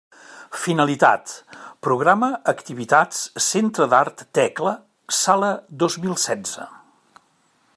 Finalitat: programa activitats Centre d'Art Tecla Sala dos mil setze.